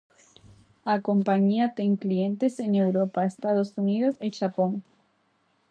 A compañía ten clientes en Europa, Estados Unidos e Xapón.